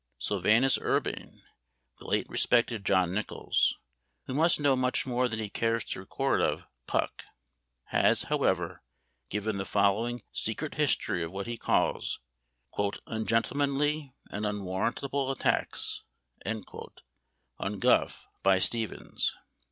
Sylvanus Urban (the late respected John Nichols), who must know much more than he cares to record of "Puck," has, however, given the following "secret history" of what he calls "ungentlemanly and unwarrantable attacks" on Gough by Steevens.